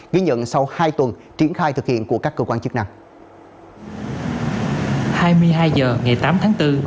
ghi nhận sau hai tuần triển khai thực hiện của các cơ quan chức năng